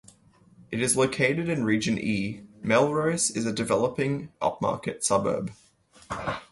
It is located in Region E. Melrose is a developing up-market suburb.